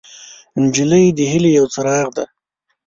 نجلۍ د هیلې یو څراغ دی.